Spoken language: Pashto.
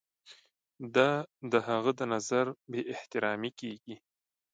دا د هغه د نظر بې احترامي کیږي.